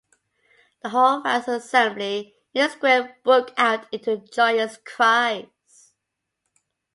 The whole vast assembly in the square broke out into joyous cries.